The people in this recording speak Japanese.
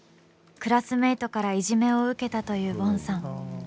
クラスメイトからいじめを受けたというＶｏｎさん。